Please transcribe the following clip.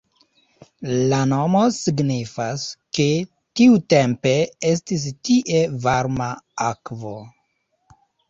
La nomo signifas, ke tiutempe estis tie varma akvo.